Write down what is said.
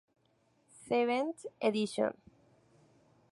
Seventh edition.